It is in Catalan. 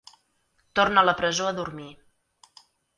Torna a la presó a dormir.